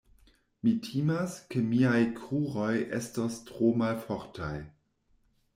Mi timas, ke miaj kruroj estos tro malfortaj.